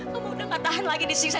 kamu udah gak tahan lagi disini sat